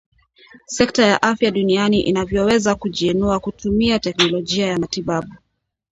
sekta ya Afya Duniani inavyoweza kujienua kutumia teknolojia ya matibabu